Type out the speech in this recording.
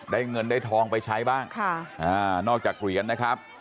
ได้เงินได้ทองไปใช้บ้างนอกจากเหรียญนะครับ